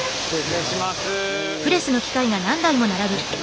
失礼します。